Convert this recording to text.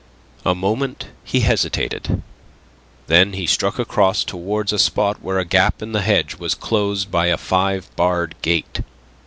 A moment he hesitated; then he struck across towards a spot where a gap in the hedge was closed by a five barred gate.